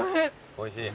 おいしい？